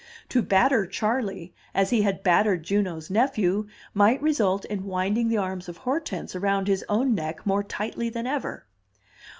To batter Charley as he had battered Juno's nephew, might result in winding the arms of Hortense around his own neck more tightly than ever.